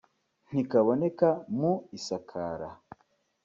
ntikaboneka mu isakara”